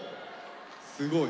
すごい。